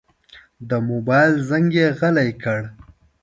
د موبایل زنګ یې غلی کړ.